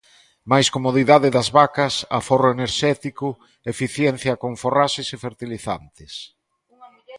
Máis comodidade das vacas, aforro enerxético, eficiencia con forraxes e fertilizantes.